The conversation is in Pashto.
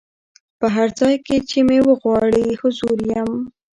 په هر ځای کي چي مي وغواړی حضور یم